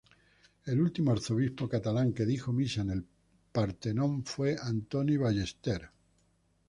El último arzobispo catalán que dijo misa en el Partenón fue Antoni Ballester.